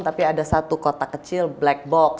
tapi ada satu kota kecil black box